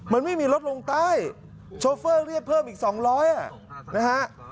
มันไม่มีลดลงใต้โชเฟอร์เรียกเพิ่มอีก๒๐๐นะฮะ